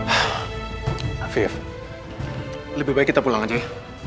afif lebih baik kita pulang aja